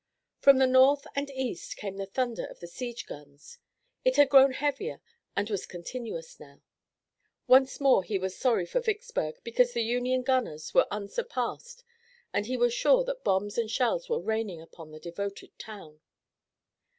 From the north and east came the thunder of the siege guns. It had grown heavier and was continuous now. Once more he was sorry for Vicksburg, because the Union gunners were unsurpassed and he was sure that bombs and shells were raining upon the devoted town.